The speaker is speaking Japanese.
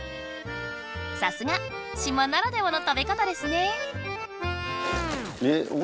さすが島ならではの食べ方ですね。